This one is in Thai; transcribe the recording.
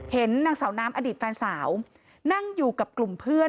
เห็นนางสาวน้ำอดีตแฟนสาวนั่งอยู่กับกลุ่มเพื่อน